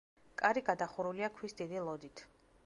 კარი გადახურულია ქვის დიდი ლოდით.